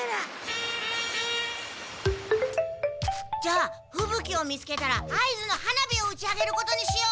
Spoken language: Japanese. じゃあふぶ鬼を見つけたら合図の花火を打ちあげる事にしよう。